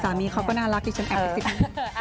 สามีเค้าก็น่ารักดิฉันแอบไปสิบนิด